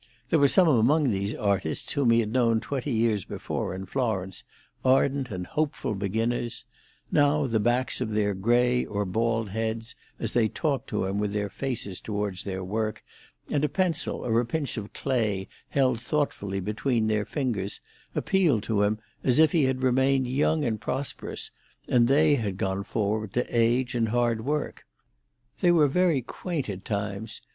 There were some among these artists whom he had known twenty years before in Florence, ardent and hopeful beginners; and now the backs of their grey or bald heads, as they talked to him with their faces towards their work, and a pencil or a pinch of clay held thoughtfully between their fingers, appealed to him as if he had remained young and prosperous, and they had gone forward to age and hard work. They were very quaint at times.